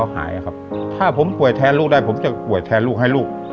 หายครับถ้าผมป่วยแทนลูกได้ผมจะป่วยแทนลูกให้ลูก